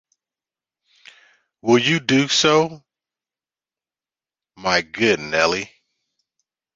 Will you do so, my good Nelly?